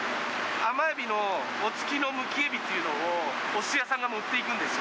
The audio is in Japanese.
甘エビの尾つきのむきエビというのをおすし屋さんが持っていくんですよ。